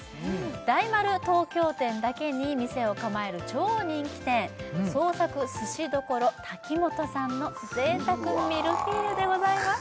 大丸東京店だけに店を構える超人気店創作鮨処タキモトさんの贅沢ミルフィーユでございます